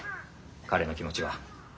彼の気持ちは。